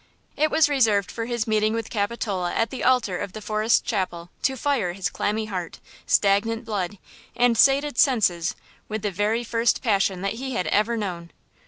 It was reserved for his meeting with Capitola at the altar of the Forest Chapel to fire his clammy heart, stagnant blood and sated senses with the very first passion that he had ever known.